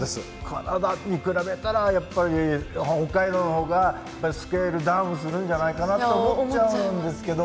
カナダに比べたらやっぱり北海道の方がスケールダウンするんじゃないかなと思っちゃうんですけど。